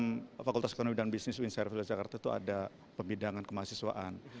maksud saya di dalam kualitas ekonomi dan bisnis winservis jakarta itu ada pembidangan kemahasiswaan